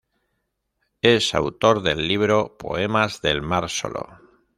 Es autor del libro Poemas del mar solo.